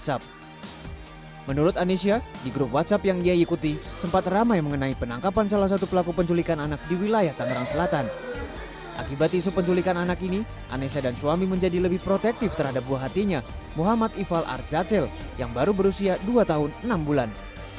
anisya dan suami menjadi lebih protektif terhadap buah hatinya muhammad ifal arzachel yang baru berusia dua tahun enam bulan